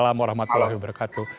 waalaikumsalam warahmatullahi wabarakatuh